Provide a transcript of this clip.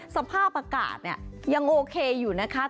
สภาพอากาศเนี่ยยังโอเคอยู่นะคะ